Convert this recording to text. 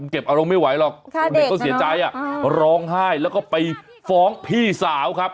เก็บอารมณ์ไม่ไหวหรอกเด็กเขาเสียใจร้องไห้แล้วก็ไปฟ้องพี่สาวครับ